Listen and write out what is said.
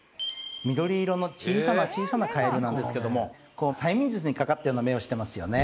緑色の小さな小さなカエルなんですけども催眠術にかかったような目をしてますよね。